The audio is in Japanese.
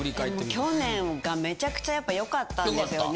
去年がめちゃくちゃやっぱ良かったんですよね。